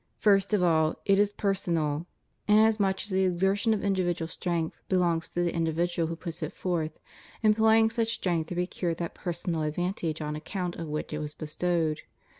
First of all, it is personal, inasmuch as the exertion of individual strength belongs to the individual who puts it forth, employing such strength to procure that personal ad vantage on account of which it was bestowed.